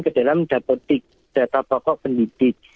ke dalam dapodik data pokok pendidik